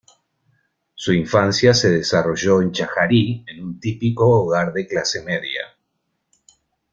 Su infancia se desarrolló en Chajarí, en un típico hogar de clase media.